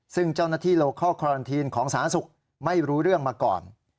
ซึ่งเจ้าหน้าที่โลเคิลคอรันทีนของสาธารณสุขไม่รู้เรื่องมาก่อน